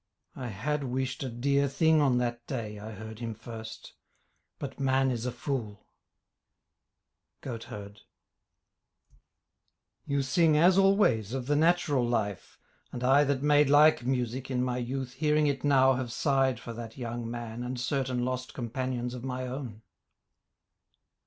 I had wished a dear thing on that day I heard him first, but man is a fool.' GOATHERD You sing as always of the natural life, And I that made like music in my youth Hearing it now have sighed for that young man And certain lost companions of my own.